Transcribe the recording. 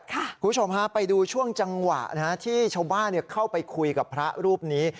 คุณผู้ชมฮะไปดูช่วงจังหวะที่ชาวบ้านเข้าไปคุยกับพระรูปนี้